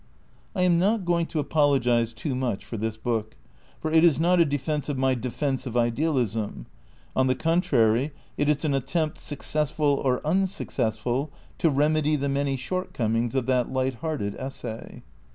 I am not going to apologise too much for this book; for it is not a defence of my "Defence of Idealism." On the contrary, it is an attempt, successful or unsuc cessful, to remedy the many shortcomings of that light hearted essay.